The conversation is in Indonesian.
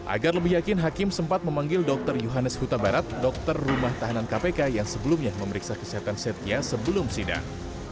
agar lebih yakin hakim sempat memanggil dr yohanes huta barat dokter rumah tahanan kpk yang sebelumnya memeriksa kesehatan setia sebelum sidang